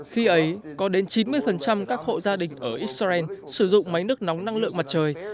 khi ấy có đến chín mươi các hộ gia đình ở israel sử dụng máy nước nóng năng lượng mặt trời